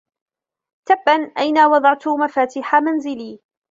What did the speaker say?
تبا ، أين وضعت مفاتيح منزلي ؟